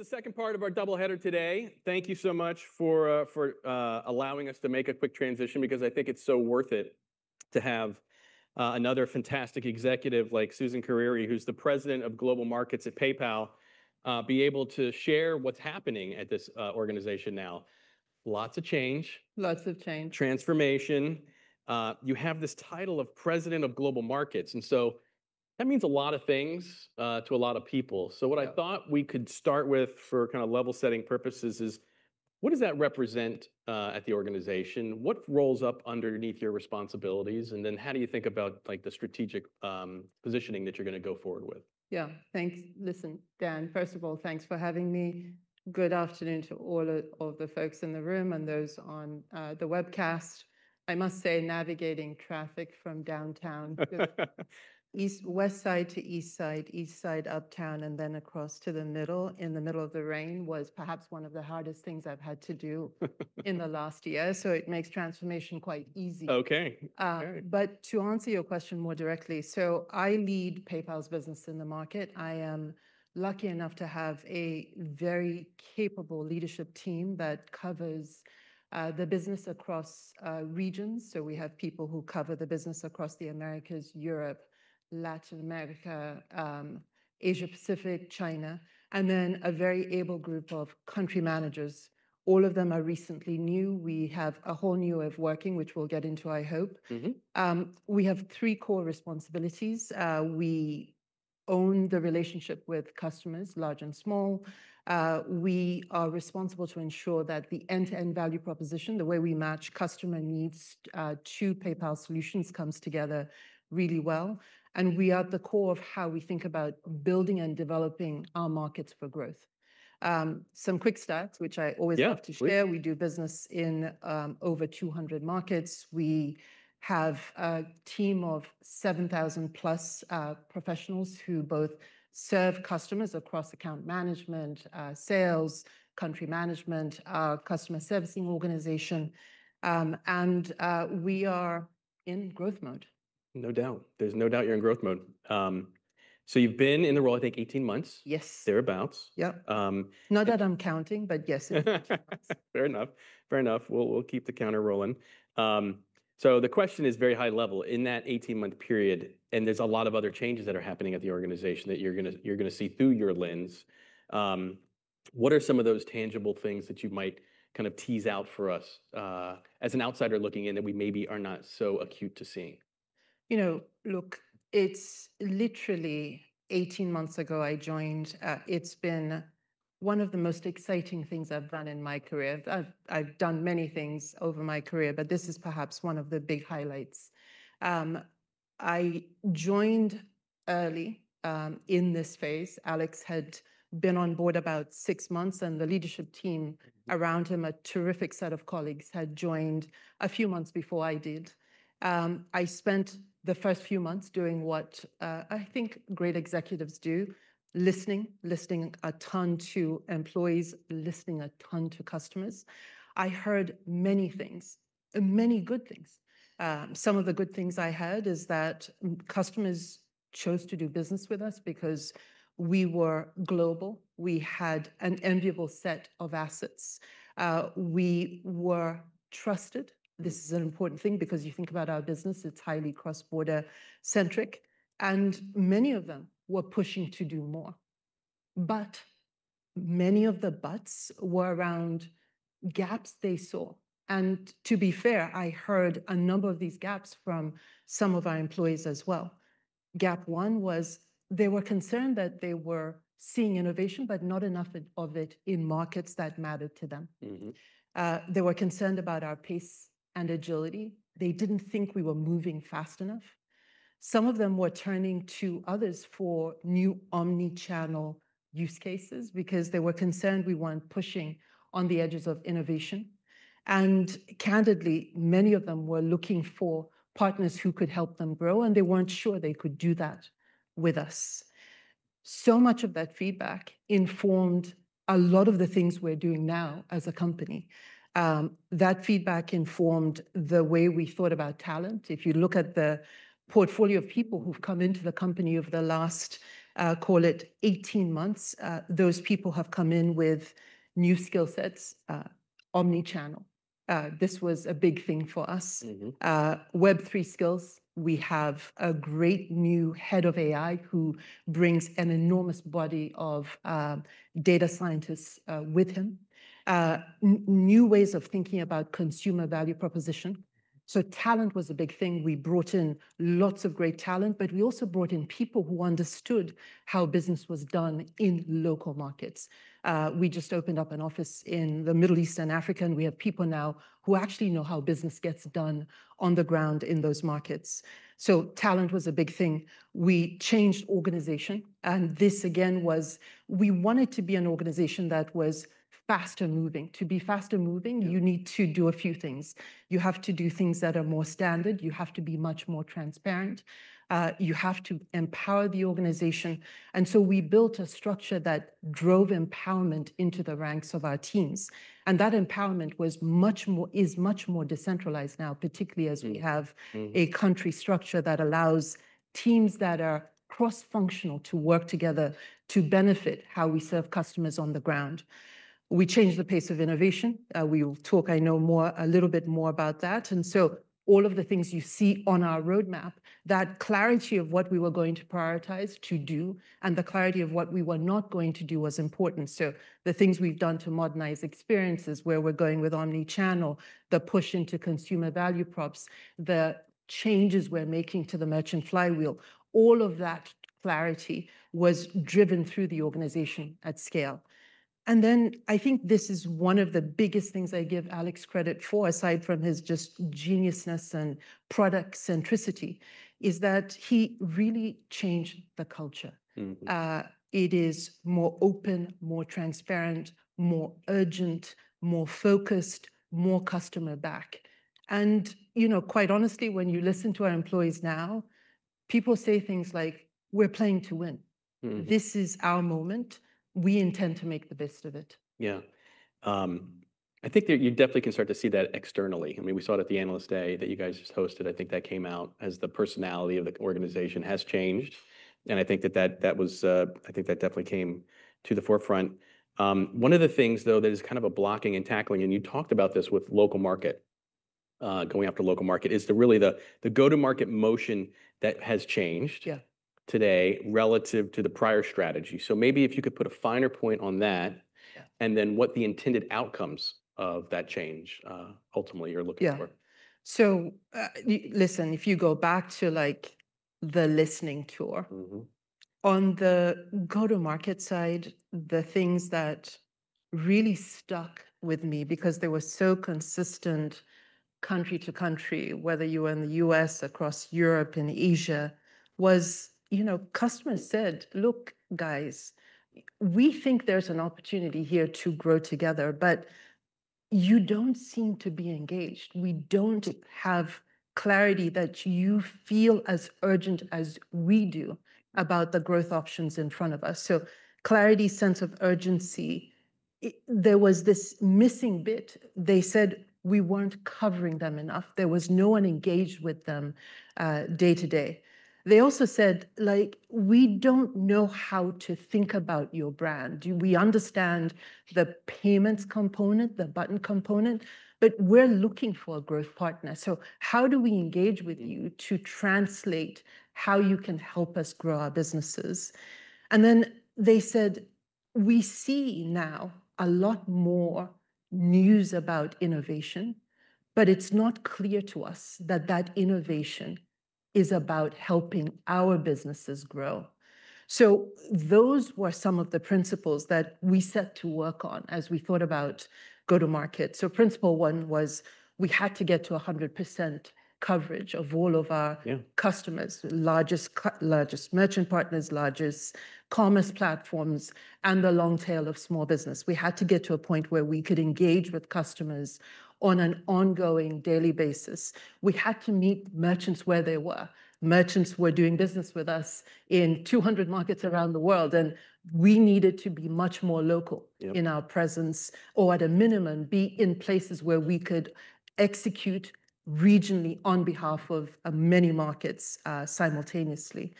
This is the second part of our double-header today. Thank you so much for allowing us to make a quick transition because I think it's so worth it to have another fantastic executive like Suzan Kereere, who's the President of Global Markets at PayPal, be able to share what's happening at this organization now. Lots of change. Lots of change. Transformation. You have this title of President of Global Markets, and so that means a lot of things to a lot of people. What I thought we could start with for kind of level-setting purposes is, what does that represent at the organization? What rolls up underneath your responsibilities? How do you think about, like, the strategic positioning that you're gonna go forward with? Yeah, thanks. Listen, Dan, first of all, thanks for having me. Good afternoon to all of the folks in the room and those on the webcast. I must say, navigating traffic from downtown, east, west side to east side, east side uptown, and then across to the middle in the middle of the rain was perhaps one of the hardest things I've had to do in the last year. It makes transformation quite easy. Okay. To answer your question more directly, I lead PayPal's business in the market. I am lucky enough to have a very capable leadership team that covers the business across regions. We have people who cover the business across the Americas, Europe, Latin America, Asia-Pacific, China, and then a very able group of country managers. All of them are recently new. We have a whole new way of working, which we'll get into, I hope. Mm-hmm. We have three core responsibilities. We own the relationship with customers, large and small. We are responsible to ensure that the end-to-end value proposition, the way we match customer needs to PayPal solutions, comes together really well. We are at the core of how we think about building and developing our markets for growth. Some quick stats, which I always love to share. Yeah. We do business in over 200 markets. We have a team of 7,000 plus professionals who both serve customers across account management, sales, country management, our customer servicing organization, and we are in growth mode. No doubt. There's no doubt you're in growth mode. You've been in the role, I think, 18 months. Yes. Thereabouts. Yep. Not that I'm counting, but yes. Fair enough. Fair enough. We'll keep the counter rolling. The question is very high level. In that 18-month period, and there's a lot of other changes that are happening at the organization that you're gonna, you're gonna see through your lens, what are some of those tangible things that you might kind of tease out for us, as an outsider looking in that we maybe are not so acute to seeing? You know, look, it's literally 18 months ago I joined. It's been one of the most exciting things I've done in my career. I've done many things over my career, but this is perhaps one of the big highlights. I joined early, in this phase. Alex had been on board about six months, and the leadership team around him, a terrific set of colleagues, had joined a few months before I did. I spent the first few months doing what I think great executives do: listening, listening a ton to employees, listening a ton to customers. I heard many things, many good things. Some of the good things I heard is that customers chose to do business with us because we were global. We had an enviable set of assets. We were trusted. This is an important thing because you think about our business, it's highly cross-border centric, and many of them were pushing to do more. Many of the buts were around gaps they saw. To be fair, I heard a number of these gaps from some of our employees as well. Gap one was they were concerned that they were seeing innovation, but not enough of it in markets that mattered to them. Mm-hmm. They were concerned about our pace and agility. They did not think we were moving fast enough. Some of them were turning to others for new omnichannel use cases because they were concerned we were not pushing on the edges of innovation. Candidly, many of them were looking for partners who could help them grow, and they were not sure they could do that with us. Much of that feedback informed a lot of the things we are doing now as a company. That feedback informed the way we thought about talent. If you look at the portfolio of people who have come into the company over the last, call it 18 months, those people have come in with new skill sets, omnichannel. This was a big thing for us. Mm-hmm. Web3 skills. We have a great new head of AI who brings an enormous body of data scientists with him. New ways of thinking about consumer value proposition. Talent was a big thing. We brought in lots of great talent, but we also brought in people who understood how business was done in local markets. We just opened up an office in the Middle East and Africa, and we have people now who actually know how business gets done on the ground in those markets. Talent was a big thing. We changed organization, and this again was we wanted to be an organization that was faster moving. To be faster moving, you need to do a few things. You have to do things that are more standard. You have to be much more transparent. You have to empower the organization. We built a structure that drove empowerment into the ranks of our teams. That empowerment is much more decentralized now, particularly as we have a country structure that allows teams that are cross-functional to work together to benefit how we serve customers on the ground. We changed the pace of innovation. We will talk, I know, a little bit more about that. All of the things you see on our roadmap, that clarity of what we were going to prioritize to do and the clarity of what we were not going to do was important. The things we have done to modernize experiences, where we are going with omnichannel, the push into consumer value props, the changes we are making to the merchant flywheel, all of that clarity was driven through the organization at scale. I think this is one of the biggest things I give Alex credit for, aside from his just geniusness and product centricity, is that he really changed the culture. Mm-hmm. It is more open, more transparent, more urgent, more focused, more customer back. And, you know, quite honestly, when you listen to our employees now, people say things like, "We're playing to win. This is our moment. We intend to make the best of it. Yeah. I think that you definitely can start to see that externally. I mean, we saw it at the analyst day that you guys just hosted. I think that came out as the personality of the organization has changed. I think that definitely came to the forefront. One of the things, though, that is kind of a blocking and tackling, and you talked about this with local market, going after local market, is really the go-to-market motion that has changed. Yeah. Today relative to the prior strategy. Maybe if you could put a finer point on that. Yeah. What the intended outcomes of that change, ultimately you're looking for. Yeah. So, listen, if you go back to, like, the listening tour. Mm-hmm. On the go-to-market side, the things that really stuck with me because they were so consistent country to country, whether you were in the U.S., across Europe, in Asia, was, you know, customers said, "Look, guys, we think there's an opportunity here to grow together, but you don't seem to be engaged. We don't have clarity that you feel as urgent as we do about the growth options in front of us." So clarity, sense of urgency. There was this missing bit. They said we weren't covering them enough. There was no one engaged with them, day to day. They also said, like, "We don't know how to think about your brand. We understand the payments component, the button component, but we're looking for a growth partner. How do we engage with you to translate how you can help us grow our businesses?" They said, "We see now a lot more news about innovation, but it's not clear to us that that innovation is about helping our businesses grow." Those were some of the principles that we set to work on as we thought about go-to-market. Principle one was we had to get to 100% coverage of all of our. Yeah. Customers, largest, largest merchant partners, largest commerce platforms, and the long tail of small business. We had to get to a point where we could engage with customers on an ongoing daily basis. We had to meet merchants where they were. Merchants were doing business with us in 200 markets around the world, and we needed to be much more local. Yeah. In our presence, or at a minimum, be in places where we could execute regionally on behalf of many markets, simultaneously.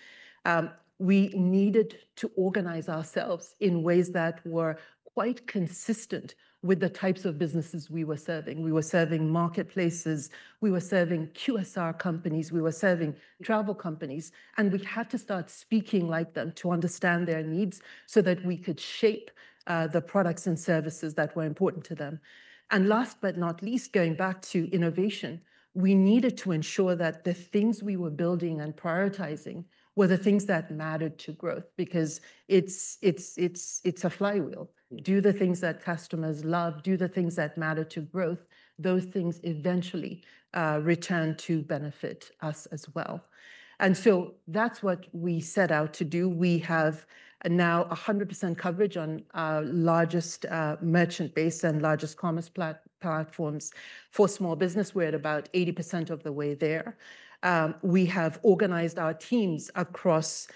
We needed to organize ourselves in ways that were quite consistent with the types of businesses we were serving. We were serving marketplaces. We were serving QSR companies. We were serving travel companies. We had to start speaking like them to understand their needs so that we could shape the products and services that were important to them. Last but not least, going back to innovation, we needed to ensure that the things we were building and prioritizing were the things that mattered to growth because it's a flywheel. Do the things that customers love, do the things that matter to growth. Those things eventually return to benefit us as well. That is what we set out to do. We have now 100% coverage on our largest merchant base and largest commerce platforms for small business. We're at about 80% of the way there. We have organized our teams across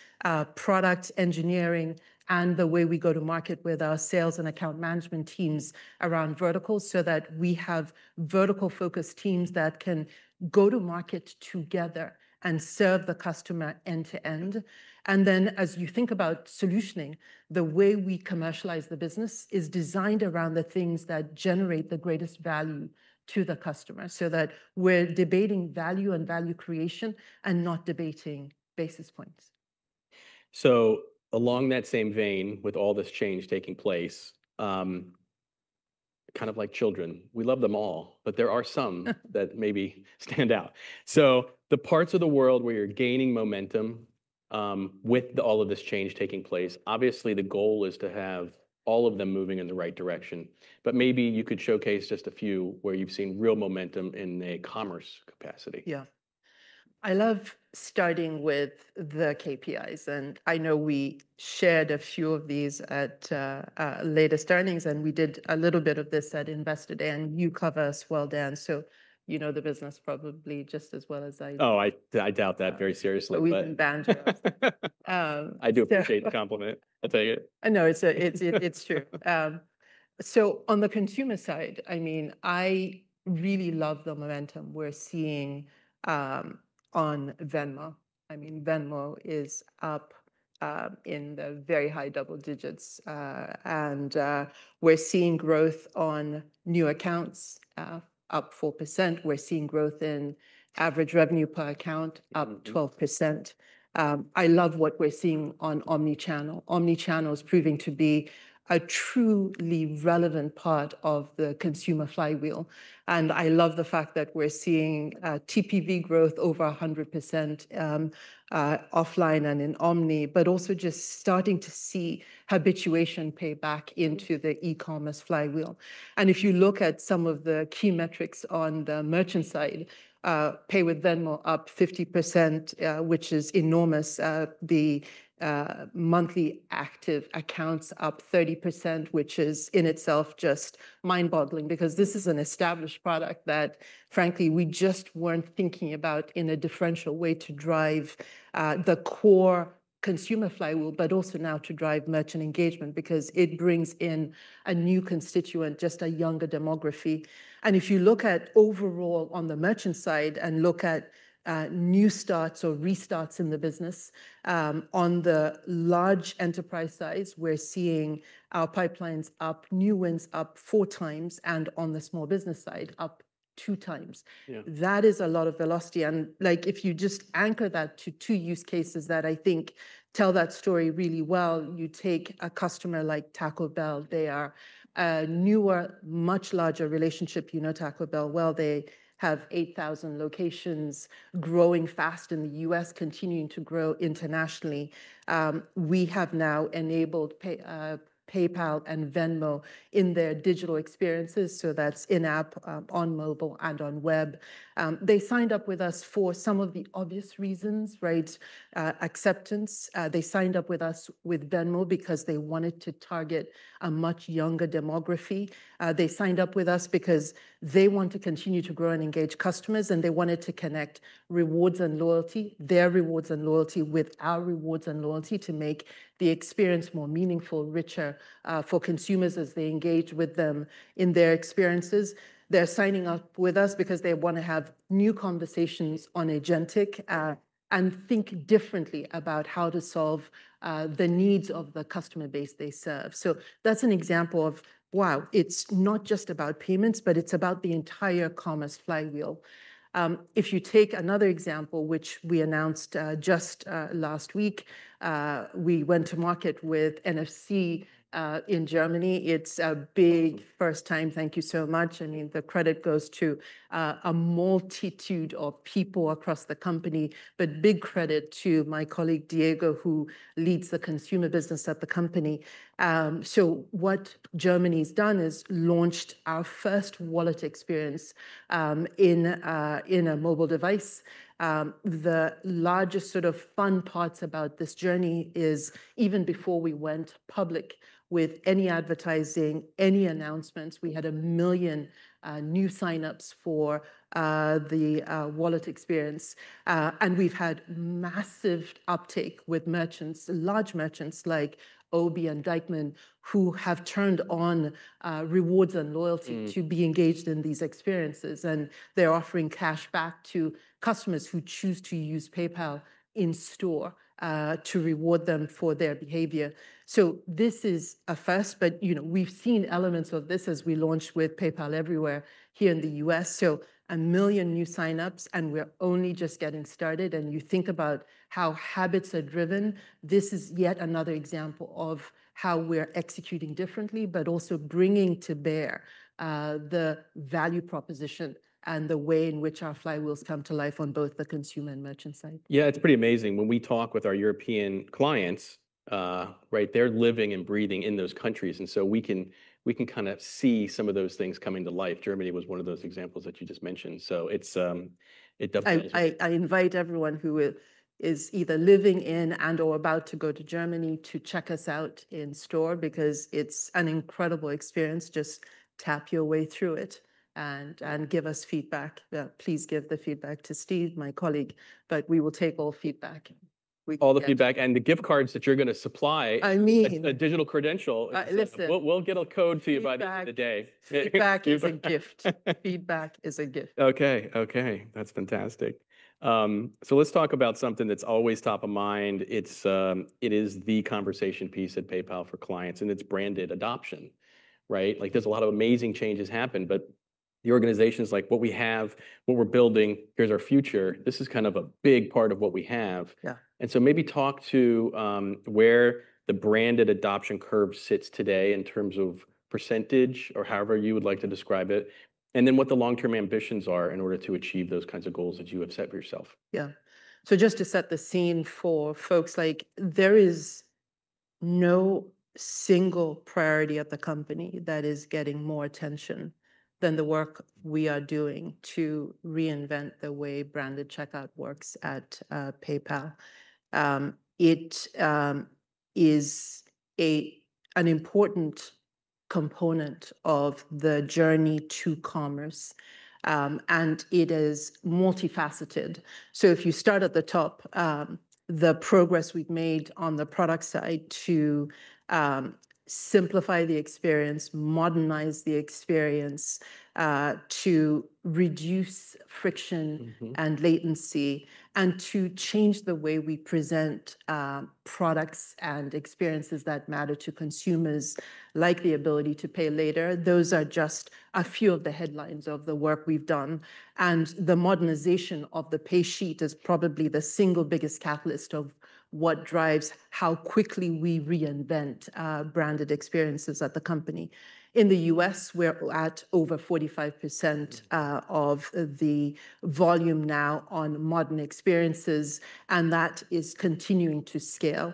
product engineering and the way we go to market with our sales and account management teams around verticals so that we have vertical-focused teams that can go to market together and serve the customer end to end. As you think about solutioning, the way we commercialize the business is designed around the things that generate the greatest value to the customer so that we're debating value and value creation and not debating basis points. Along that same vein, with all this change taking place, kind of like children, we love them all, but there are some that maybe stand out. The parts of the world where you're gaining momentum, with all of this change taking place, obviously the goal is to have all of them moving in the right direction, but maybe you could showcase just a few where you've seen real momentum in the commerce capacity. Yeah. I love starting with the KPIs. I know we shared a few of these at, latest earnings, and we did a little bit of this at Investor Day. You cover us well, Dan. You know, the business probably just as well as I do. Oh, I doubt that very seriously. We can banter. I do appreciate the compliment. I'll take it. No, it's true. On the consumer side, I mean, I really love the momentum we're seeing on Venmo. I mean, Venmo is up in the very high double digits, and we're seeing growth on new accounts, up 4%. We're seeing growth in average revenue per account, up 12%. I love what we're seeing on omnichannel. Omnichannel's proving to be a truly relevant part of the consumer flywheel. I love the fact that we're seeing TPV growth over 100% offline and in omni, but also just starting to see habituation pay back into the e-commerce flywheel. If you look at some of the key metrics on the merchant side, pay with Venmo up 50%, which is enormous. The monthly active accounts up 30%, which is in itself just mind-boggling because this is an established product that, frankly, we just were not thinking about in a differential way to drive the core consumer flywheel, but also now to drive merchant engagement because it brings in a new constituent, just a younger demography. If you look at overall on the merchant side and look at new starts or restarts in the business, on the large enterprise side, we are seeing our pipelines up, new wins up four times, and on the small business side, up two times. Yeah. That is a lot of velocity. And like, if you just anchor that to two use cases that I think tell that story really well, you take a customer like Taco Bell. They are a newer, much larger relationship. You know Taco Bell well. They have 8,000 locations growing fast in the U.S., continuing to grow internationally. We have now enabled PayPal and Venmo in their digital experiences. That is in-app, on mobile and on web. They signed up with us for some of the obvious reasons, right? Acceptance. They signed up with us with Venmo because they wanted to target a much younger demography. They signed up with us because they want to continue to grow and engage customers, and they wanted to connect rewards and loyalty, their rewards and loyalty with our rewards and loyalty to make the experience more meaningful, richer, for consumers as they engage with them in their experiences. They're signing up with us because they want to have new conversations on agentic, and think differently about how to solve the needs of the customer base they serve. That's an example of, wow, it's not just about payments, but it's about the entire commerce flywheel. If you take another example, which we announced just last week, we went to market with NFC in Germany. It's a big first time. Thank you so much. I mean, the credit goes to, a multitude of people across the company, but big credit to my colleague Diego, who leads the consumer business at the company. What Germany's done is launched our first wallet experience, in, in a mobile device. The largest sort of fun parts about this journey is even before we went public with any advertising, any announcements, we had a million new signups for the wallet experience. And we've had massive uptake with merchants, large merchants like OBI and Deichmann, who have turned on rewards and loyalty to be engaged in these experiences. They are offering cash back to customers who choose to use PayPal in store, to reward them for their behavior. This is a first, but, you know, we've seen elements of this as we launched with PayPal Everywhere here in the U.S. A million new signups, and we're only just getting started. You think about how habits are driven. This is yet another example of how we're executing differently, but also bringing to bear the value proposition and the way in which our flywheels come to life on both the consumer and merchant side. Yeah, it's pretty amazing. When we talk with our European clients, right, they're living and breathing in those countries. And so we can, we can kind of see some of those things coming to life. Germany was one of those examples that you just mentioned. So it's, it definitely. I invite everyone who is either living in and/or about to go to Germany to check us out in store because it's an incredible experience. Just tap your way through it and give us feedback. Please give the feedback to Steve, my colleague, but we will take all feedback. All the feedback and the gift cards that you're going to supply. I mean. A digital credential. Listen. We'll get a code to you by the end of the day. Feedback is a gift. Okay. Okay. That's fantastic. So let's talk about something that's always top of mind. It's, it is the conversation piece at PayPal for clients, and it's branded adoption, right? Like, there's a lot of amazing changes happen, but the organization's like, what we have, what we're building, here's our future. This is kind of a big part of what we have. Yeah. Maybe talk to where the branded adoption curve sits today in terms of percentage or however you would like to describe it, and then what the long-term ambitions are in order to achieve those kinds of goals that you have set for yourself. Yeah. Just to set the scene for folks, like, there is no single priority at the company that is getting more attention than the work we are doing to reinvent the way branded checkout works at PayPal. It is an important component of the journey to commerce, and it is multifaceted. If you start at the top, the progress we've made on the product side to simplify the experience, modernize the experience, to reduce friction and latency, and to change the way we present products and experiences that matter to consumers, like the ability to pay later, those are just a few of the headlines of the work we've done. The modernization of the pay sheet is probably the single biggest catalyst of what drives how quickly we reinvent branded experiences at the company. In the U.S., we're at over 45% of the volume now on modern experiences, and that is continuing to scale.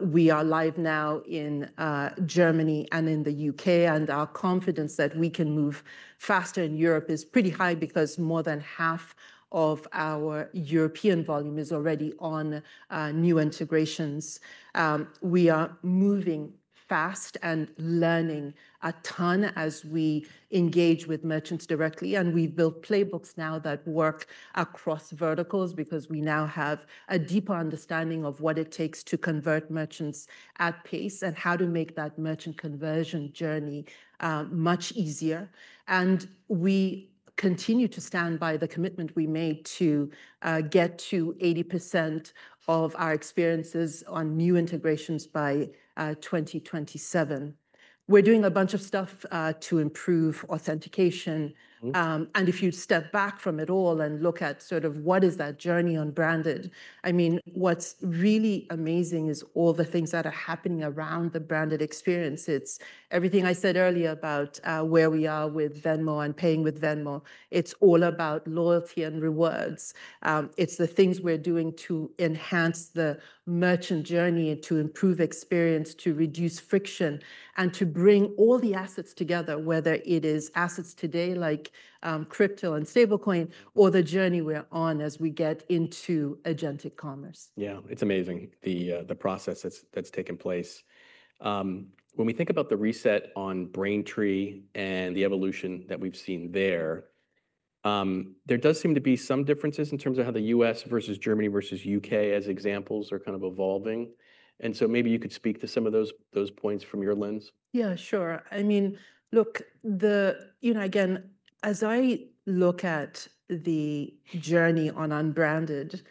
We are live now in Germany and in the U.K., and our confidence that we can move faster in Europe is pretty high because more than half of our European volume is already on new integrations. We are moving fast and learning a ton as we engage with merchants directly, and we've built playbooks now that work across verticals because we now have a deeper understanding of what it takes to convert merchants at pace and how to make that merchant conversion journey much easier. We continue to stand by the commitment we made to get to 80% of our experiences on new integrations by 2027. We're doing a bunch of stuff to improve authentication. If you step back from it all and look at sort of what is that journey on branded, I mean, what's really amazing is all the things that are happening around the branded experience. It's everything I said earlier about, where we are with Venmo and paying with Venmo. It's all about loyalty and rewards. It's the things we're doing to enhance the merchant journey, to improve experience, to reduce friction, and to bring all the assets together, whether it is assets today, like crypto and stablecoin, or the journey we're on as we get into agentic commerce. Yeah, it's amazing, the process that's taken place. When we think about the reset on Braintree and the evolution that we've seen there, there does seem to be some differences in terms of how the U.S. versus Germany versus U.K. as examples are kind of evolving. Maybe you could speak to some of those points from your lens. Yeah, sure. I mean, look, the, you know, again, as I look at the journey on unbranded,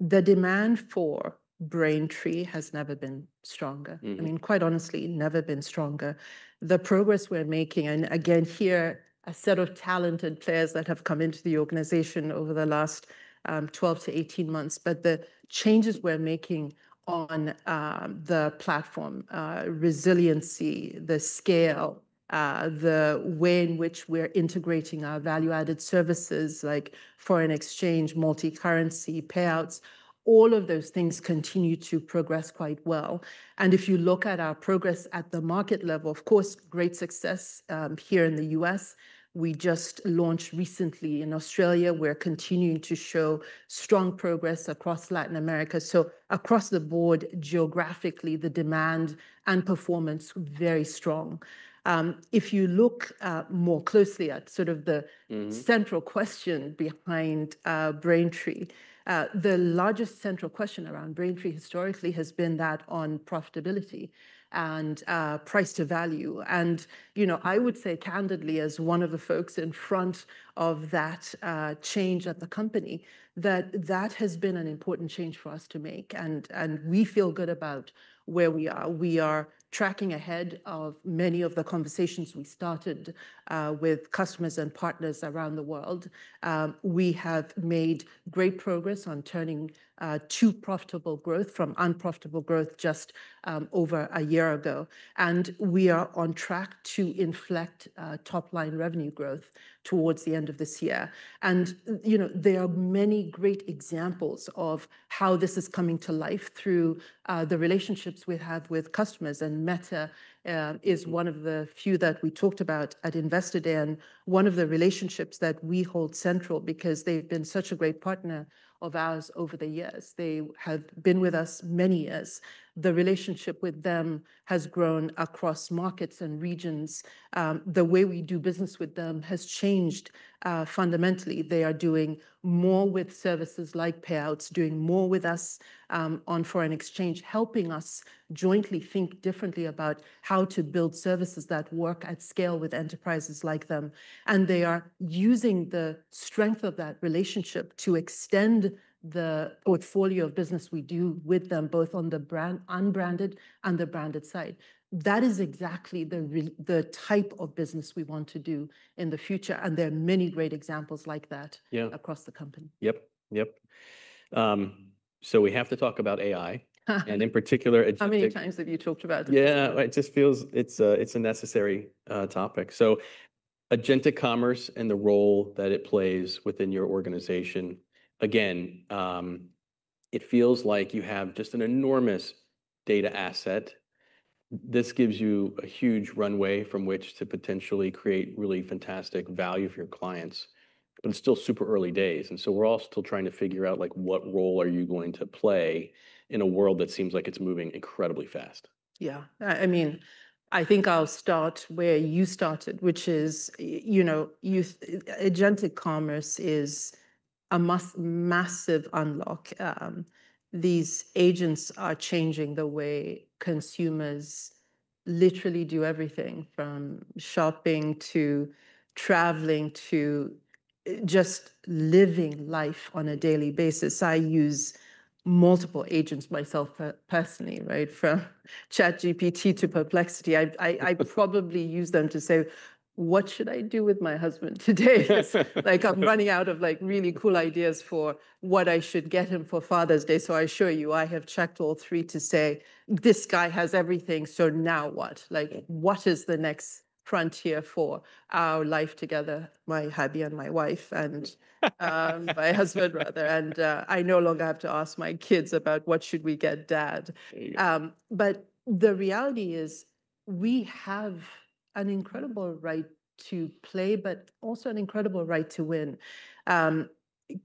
the demand for Braintree has never been stronger. I mean, quite honestly, never been stronger. The progress we're making, and again, here, a set of talented players that have come into the organization over the last 12 to 18 months, but the changes we're making on the platform, resiliency, the scale, the way in which we're integrating our value-added services like foreign exchange, multi-currency payouts, all of those things continue to progress quite well. If you look at our progress at the market level, of course, great success here in the U.S. We just launched recently in Australia. We're continuing to show strong progress across Latin America. Across the board, geographically, the demand and performance are very strong. If you look more closely at sort of the central question behind Braintree, the largest central question around Braintree historically has been that on profitability and price to value. And, you know, I would say candidly, as one of the folks in front of that change at the company, that that has been an important change for us to make. And we feel good about where we are. We are tracking ahead of many of the conversations we started with customers and partners around the world. We have made great progress on turning to profitable growth from unprofitable growth just over a year ago. We are on track to inflect top-line revenue growth towards the end of this year. And, you know, there are many great examples of how this is coming to life through the relationships we have with customers. Meta is one of the few that we talked about at Invested In, one of the relationships that we hold central because they've been such a great partner of ours over the years. They have been with us many years. The relationship with them has grown across markets and regions. The way we do business with them has changed, fundamentally. They are doing more with services like payouts, doing more with us on foreign exchange, helping us jointly think differently about how to build services that work at scale with enterprises like them. They are using the strength of that relationship to extend the portfolio of business we do with them, both on the brand, unbranded, and the branded side. That is exactly the type of business we want to do in the future. There are many great examples like that across the company. Yep. Yep. So we have to talk about AI and in particular agentic. How many times have you talked about it? Yeah, it just feels it's a, it's a necessary topic. So agentic commerce and the role that it plays within your organization. Again, it feels like you have just an enormous data asset. This gives you a huge runway from which to potentially create really fantastic value for your clients, but it's still super early days. And so we're all still trying to figure out, like, what role are you going to play in a world that seems like it's moving incredibly fast. Yeah. I mean, I think I'll start where you started, which is, you know, agentic commerce is a massive unlock. These agents are changing the way consumers literally do everything from shopping to traveling to just living life on a daily basis. I use multiple agents myself personally, right? From ChatGPT to Perplexity. I probably use them to say, what should I do with my husband today? Like, I'm running out of, like, really cool ideas for what I should get him for Father's Day. I assure you, I have checked all three to say, this guy has everything. Now what? What is the next frontier for our life together, my hubby and my wife and, my husband, rather? I no longer have to ask my kids about what should we get Dad. But the reality is we have an incredible right to play, but also an incredible right to win.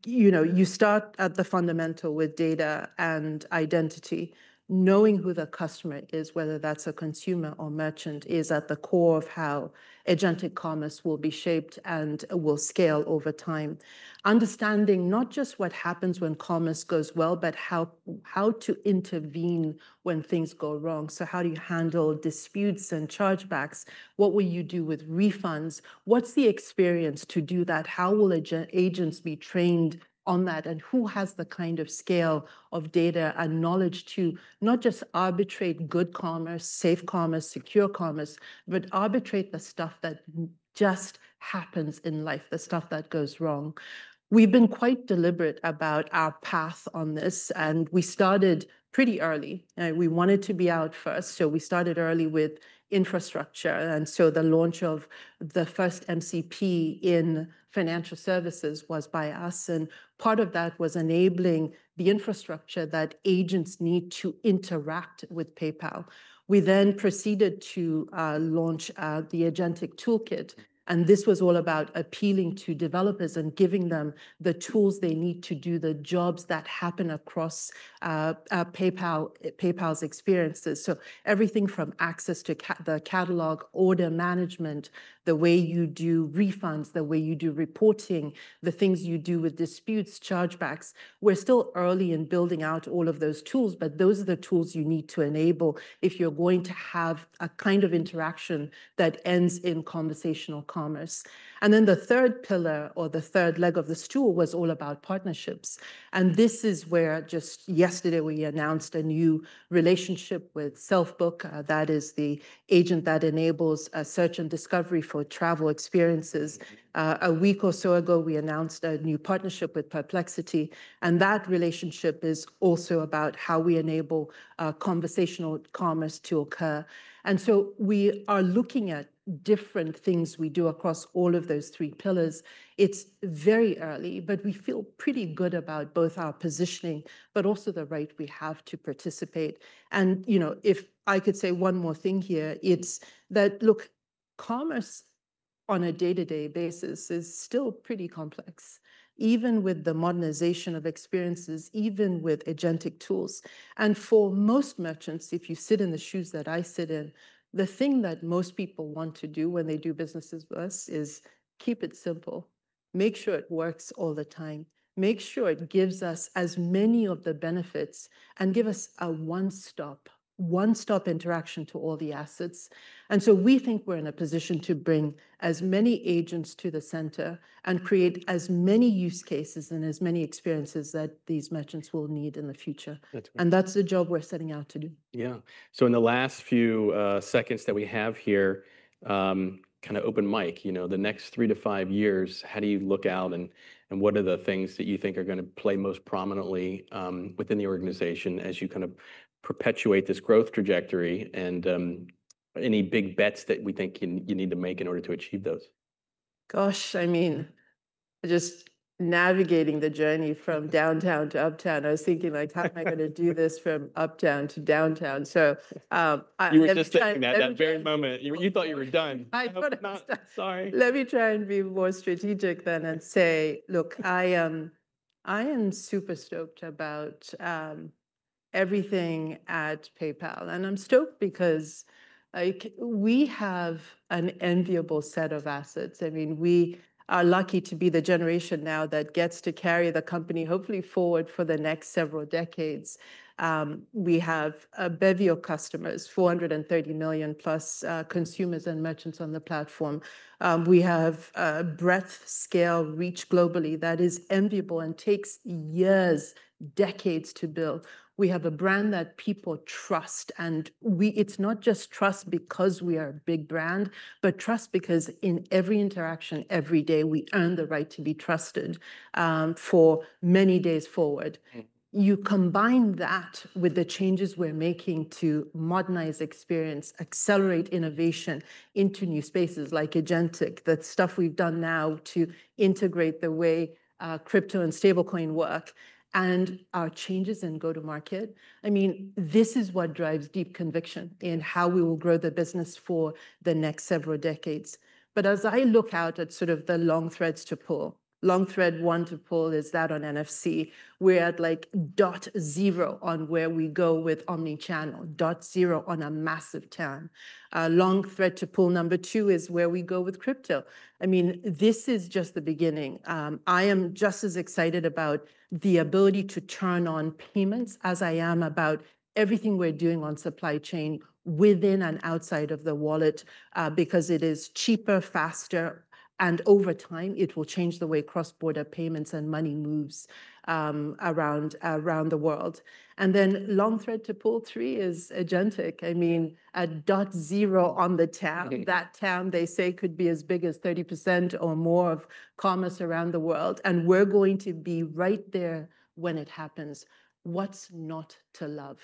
You know, you start at the fundamental with data and identity. Knowing who the customer is, whether that's a consumer or merchant, is at the core of how agentic commerce will be shaped and will scale over time. Understanding not just what happens when commerce goes well, but how to intervene when things go wrong. How do you handle disputes and chargebacks? What will you do with refunds? What's the experience to do that? How will agents be trained on that? Who has the kind of scale of data and knowledge to not just arbitrate good commerce, safe commerce, secure commerce, but arbitrate the stuff that just happens in life, the stuff that goes wrong? We've been quite deliberate about our path on this, and we started pretty early. We wanted to be out first. We started early with infrastructure. The launch of the first MCP in financial services was by us. Part of that was enabling the infrastructure that agents need to interact with PayPal. We then proceeded to launch the agentic toolkit. This was all about appealing to developers and giving them the tools they need to do the jobs that happen across PayPal, PayPal's experiences. Everything from access to the catalog, order management, the way you do refunds, the way you do reporting, the things you do with disputes, chargebacks. We're still early in building out all of those tools, but those are the tools you need to enable if you're going to have a kind of interaction that ends in conversational commerce. The third pillar or the third leg of the stool was all about partnerships. This is where just yesterday we announced a new relationship with Selfbook, that is the agent that enables search and discovery for travel experiences. A week or so ago, we announced a new partnership with Perplexity. That relationship is also about how we enable conversational commerce to occur. We are looking at different things we do across all of those three pillars. It's very early, but we feel pretty good about both our positioning, but also the right we have to participate. You know, if I could say one more thing here, it's that, look, commerce on a day-to-day basis is still pretty complex, even with the modernization of experiences, even with agentic tools. For most merchants, if you sit in the shoes that I sit in, the thing that most people want to do when they do business with us is keep it simple, make sure it works all the time, make sure it gives us as many of the benefits and give us a one-stop, one-stop interaction to all the assets. We think we are in a position to bring as many agents to the center and create as many use cases and as many experiences that these merchants will need in the future. That is the job we are setting out to do. Yeah. In the last few seconds that we have here, kind of open mic, you know, the next three to five years, how do you look out and what are the things that you think are going to play most prominently within the organization as you kind of perpetuate this growth trajectory, and any big bets that we think you need to make in order to achieve those? Gosh, I mean, I just navigating the journey from downtown to uptown, I was thinking like, how am I going to do this from uptown to downtown? I was just trying to. You were just thinking that at that very moment. You thought you were done. I thought I was done. Sorry. Let me try and be more strategic then and say, look, I am, I am super stoked about everything at PayPal. And I'm stoked because we have an enviable set of assets. I mean, we are lucky to be the generation now that gets to carry the company hopefully forward for the next several decades. We have a bevy of customers, 430+ million consumers and merchants on the platform. We have a breadth, scale, reach globally that is enviable and takes years, decades to build. We have a brand that people trust. And we, it's not just trust because we are a big brand, but trust because in every interaction, every day, we earn the right to be trusted, for many days forward. You combine that with the changes we're making to modernize experience, accelerate innovation into new spaces like agentic, that stuff we've done now to integrate the way, crypto and stablecoin work and our changes in go-to-market. I mean, this is what drives deep conviction in how we will grow the business for the next several decades. As I look out at sort of the long threads to pull, long thread one to pull is that on NFC. We're at like dot zero on where we go with omnichannel, dot zero on a massive turn. A long thread to pull number two is where we go with crypto. I mean, this is just the beginning. I am just as excited about the ability to turn on payments as I am about everything we're doing on supply chain within and outside of the wallet, because it is cheaper, faster, and over time it will change the way cross-border payments and money moves around, around the world. A long thread to pull three is agentic. I mean, a dot zero on the TAM, that TAM they say could be as big as 30% or more of commerce around the world. We're going to be right there when it happens. What's not to love?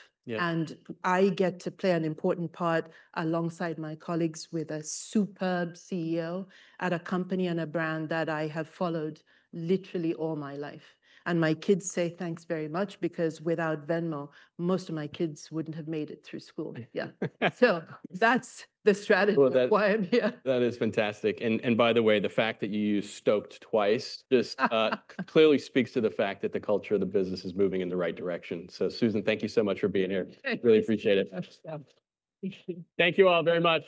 I get to play an important part alongside my colleagues with a superb CEO at a company and a brand that I have followed literally all my life. My kids say thanks very much because without Venmo, most of my kids wouldn't have made it through school. Yeah. That's the strategy why I'm here. That is fantastic. And by the way, the fact that you stoked twice just clearly speaks to the fact that the culture of the business is moving in the right direction. So, Suzan, thank you so much for being here. Really appreciate it. Thank you all very much.